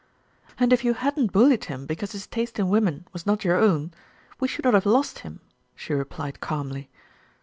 "And if you hadn't bullied him because his taste in women was not your own, we should not have lost him," she replied calmly.